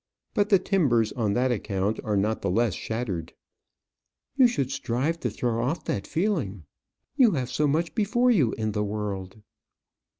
But the timbers on that account are not the less shattered." "You should strive to throw off that feeling. You have so much before you in the world."